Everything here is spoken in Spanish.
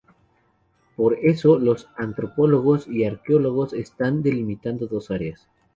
Por eso los antropólogos y arqueólogos han delimitado dos áreas.